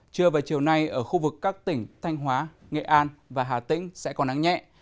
trưa và chiều nay ở khu vực các tỉnh thanh hóa nghệ an và hà tĩnh sẽ còn nắng nhẹ